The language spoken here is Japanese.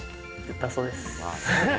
だそうです。